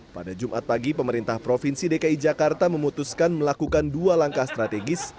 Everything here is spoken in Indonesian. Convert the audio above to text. pada jumat pagi pemerintah provinsi dki jakarta memutuskan melakukan dua langkah strategis